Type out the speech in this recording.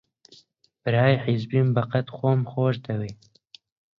برای حیزبیم بەقەد خۆم خۆش دەوێ